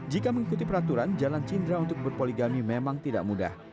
jika mengikuti peraturan jalan cindra untuk berpoligami memang tidak mudah